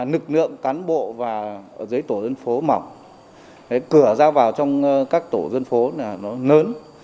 lực lượng cán bộ và giấy tổ dân phố mỏng cửa ra vào trong các tổ dân phố là nó lớn